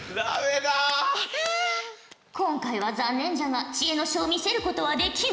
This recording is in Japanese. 今回は残念じゃが知恵の書を見せることはできん。